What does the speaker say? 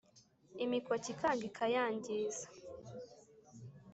imikoki ikanga ikayangiza.